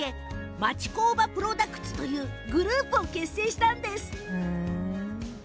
町工場プロダクツというグループを結成したんです。